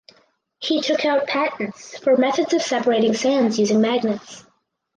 He took out patents for methods of separating sands using magnets.